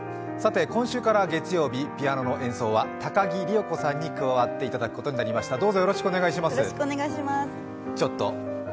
さて今週から月曜日、ピアノの演奏は高木里代子さんに加わっていただくことになりました。